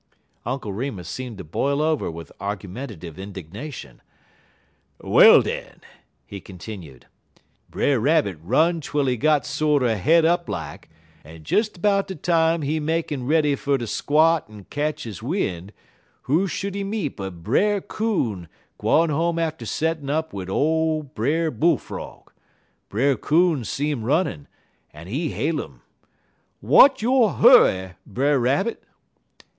Uncle Remus seemed to boil over with argumentative indignation. "Well, den," he continued, "Brer Rabbit run twel he git sorter het up like, en des 'bout de time he makin' ready fer ter squot en ketch he win', who should he meet but Brer Coon gwine home atter settin' up wid ole Brer Bull Frog. Brer Coon see 'im runnin', en he hail 'im. "'Wat yo' hurry, Brer Rabbit?'